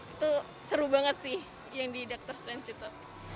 itu seru banget sih yang di dr strange itu